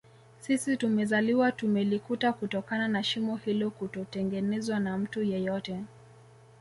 Sisi tumezaliwa tumelikuta kutokana na shimo hilo kutotengenezwa na mtu yeyote